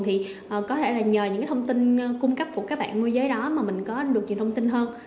thì có thể là nhờ những thông tin cung cấp của các bạn môi giới đó mà mình có được nhiều thông tin hơn